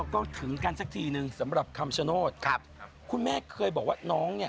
ก็อยากไปชงซายดินเทียงด้วย